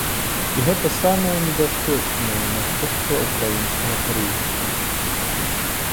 І гэта самае небяспечнае наступства ўкраінскага крызісу.